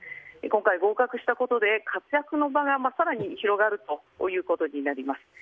今回、合格したことで活躍の場が更に広がるということになります。